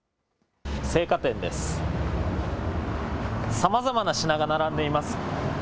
さまざまな品が並んでいます。